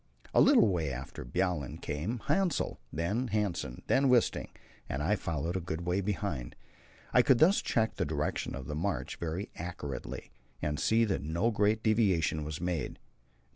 A little way after Bjaaland came Hassel, then Hanssen, then Wisting, and I followed a good way behind. I could thus check the direction of the march very accurately, and see that no great deviation was made.